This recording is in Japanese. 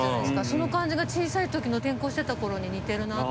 その感じが小さい時の転校してた頃に似てるなぁって。